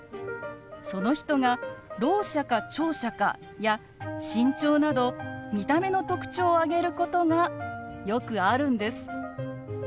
その人がろう者か聴者かや身長など見た目の特徴を挙げることがよくあるんです。